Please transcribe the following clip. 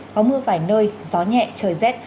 có mưa vài nơi gió nhẹ trời rét